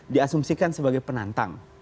diasumsikan sebagai penantang